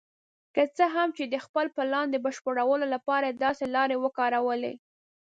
که څه هم چې د خپل پلان د بشپړولو لپاره یې داسې لارې وکارولې.